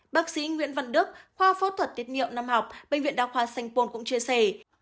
bác sĩ nguyễn văn đức khoa phẫu thuật tiết niệm năm học bệnh viện đa khoa sanh pôn cũng chia sẻ